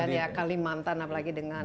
di kalimantan apalagi dengan